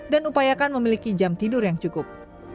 dan upayakan memiliki jam tidur yang cukup